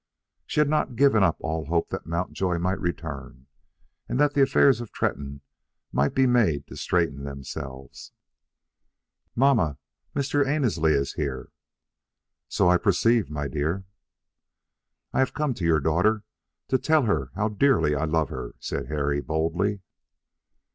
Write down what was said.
She had not yet given up all hope that Mountjoy might return, and that the affairs of Tretton might be made to straighten themselves. "Mamma, Mr. Annesley is here." "So I perceive, my dear." "I have come to your daughter to tell her how dearly I love her," said Harry, boldly.